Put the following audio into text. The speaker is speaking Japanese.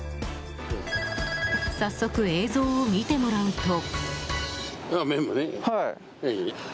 早速、映像を見てもらうと。